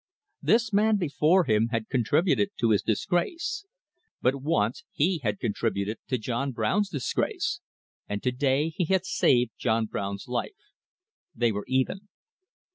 This man before him had contributed to his disgrace; but once he had contributed to John Brown's disgrace; and to day he had saved John Brown's life. They were even.